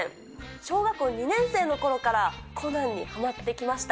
小学校２年生のころからコナンにはまってきました。